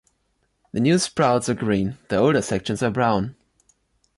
The new sprouts are green, the older sections are brown.